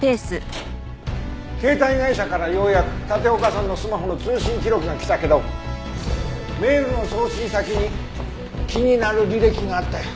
携帯会社からようやく立岡さんのスマホの通信記録が来たけどメールの送信先に気になる履歴があったよ。